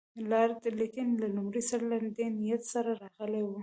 لارډ لیټن له لومړي سره له دې نیت سره راغلی وو.